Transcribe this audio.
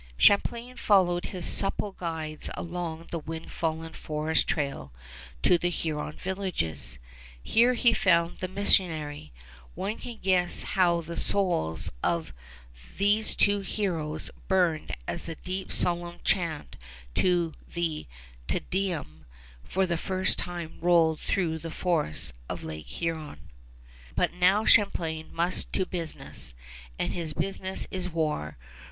Champlain followed his supple guides along the wind fallen forest trail to the Huron villages. Here he found the missionary. One can guess how the souls of these two heroes burned as the deep solemn chant of the Te Deum for the first time rolled through the forests of Lake Huron. But now Champlain must to business; and his business is war.